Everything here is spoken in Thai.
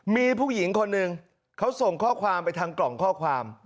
มีผู้หญิงคนหนึ่งเขาส่งข้อความไปทางกล่องข้อความ